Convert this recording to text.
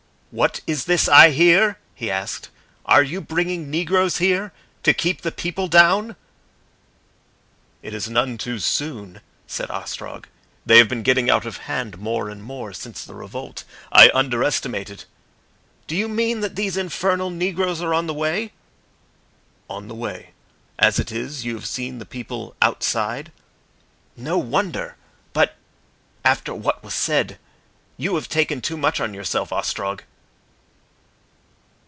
"What is this I hear?" he asked. "Are you bringing negroes here to keep the people down?" "It is none too soon," said Ostrog. "They have been getting out of hand more and more, since the revolt. I under estimated " "Do you mean that these infernal negroes are on the way?" "On the way. As it is, you have seen the people outside?" "No wonder! But after what was said. You have taken too much on yourself, Ostrog."